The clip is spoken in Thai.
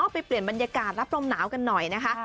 ไปเปลี่ยนบรรยากาศรับลมหนาวกันหน่อยนะคะ